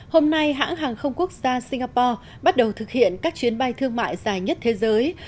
hôm nay hãng hàng không quốc gia singapore bắt đầu thực hiện các chuyến bay thương mại dài nhất thế giới